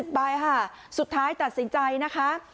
ไปค่ะสุดท้ายตัดสินใจนะคะ